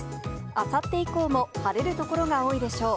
あさって以降も晴れる所が多いでしょう。